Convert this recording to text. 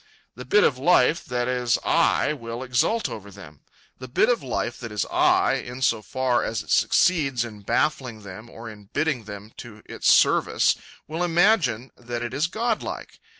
The bit of life that is I will exult over them. The bit of life that is I, in so far as it succeeds in baffling them or in bitting them to its service, will imagine that it is godlike.